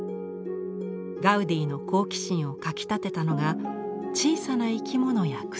ガウディの好奇心をかきたてたのが小さな生き物や草花でした。